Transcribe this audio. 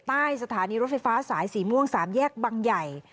ใต้สถานีรถไฟฟ้าสายสีม่วง๓แยกบังใหญ่